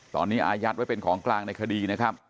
ตอนนี้อายัดไว้เป็นของกลางในคดีนะครับ